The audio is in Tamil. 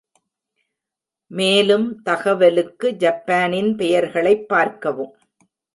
மேலும் தகவலுக்கு ஜப்பானின் பெயர்களைப் பார்க்கவும்.